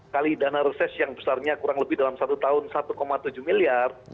kali dana reses yang besarnya kurang lebih dalam satu tahun satu tujuh miliar